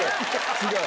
違う。